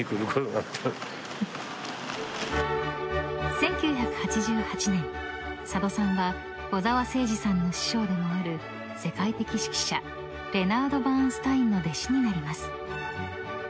［１９８８年佐渡さんは小澤征爾さんの師匠でもある世界的指揮者レナード・バーンスタインの弟子になります］